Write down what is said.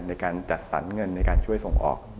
ในการจัดสรรเงินในการช่วยส่งออก